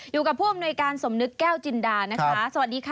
อยู่กับผู้อำนวยการสมนึกแก้วจินดานะคะสวัสดีค่ะ